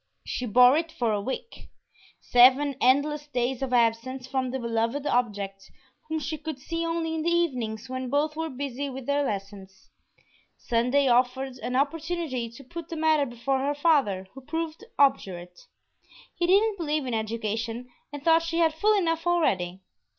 She bore it for a week seven endless days of absence from the beloved object, whom she could see only in the evenings when both were busy with their lessons. Sunday offered an opportunity to put the matter before her father, who proved obdurate. He didn't believe in education and thought she had full enough already.